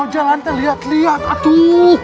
jalan terlihat lihat atuh